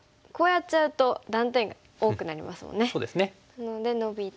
なのでノビて。